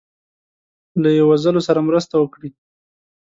له یی وزلو سره مرسته وکړي